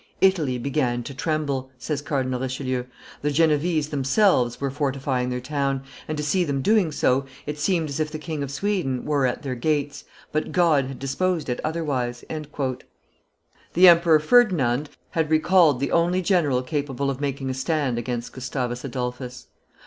"Italy began to tremble," says Cardinal Richelieu; "the Genevese themselves were fortifying their town, and, to see them doing so, it seemed as if the King of Sweden were at their gates; but God had disposed it otherwise." The Emperor Ferdinand had recalled the only general capable of making a stand against Gustavus Adolphus.